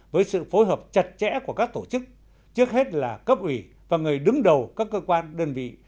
với sự phối hợp chặt chẽ của các tổ chức trước hết là cấp ủy và người đứng đầu các cơ quan đơn vị